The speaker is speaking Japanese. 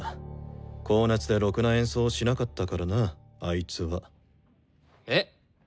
高熱でろくな演奏をしなかったからなあいつは。えっ！？